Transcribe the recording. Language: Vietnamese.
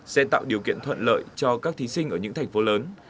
sẽ tạo điều kiện thuận lợi cho các thí sinh ở những thành phố lớn